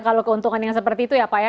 kalau keuntungan yang seperti itu ya pak ya